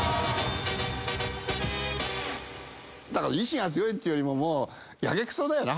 意志が強いっていうよりももうやけくそだよな。